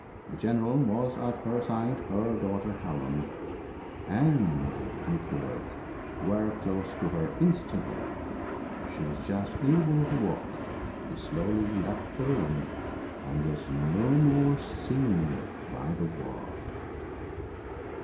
The general was at her side; her daughter, Helen, and Beauclerc, were close to her instantly. She was just able to walk: she slowly left the room and was no more seen by the world!